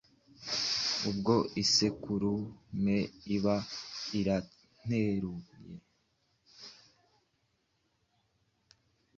ubwo isekurume iba iranteruye